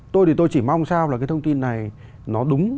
tôi thì tôi chỉ mong sao là cái thông tin này nó đúng